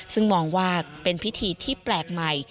ซึ่งมองว่าเป็นพิธีที่แปลกใหม่